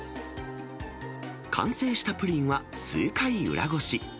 完成したプリンは数回裏ごし。